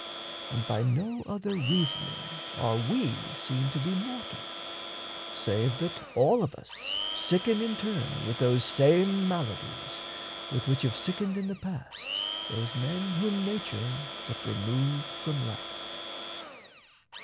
And by no other reasoning are we Seen to be mortal, save that all of us Sicken in turn with those same maladies With which have sickened in the past those men Whom nature hath removed from life.